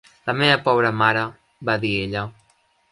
"La meva pobra mare!", va dir ella.